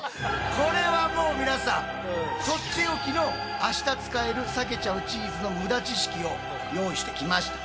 これはもう皆さんとっておきの明日使えるさけちゃうチーズのムダ知識を用意してきました。